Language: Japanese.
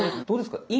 どうですか？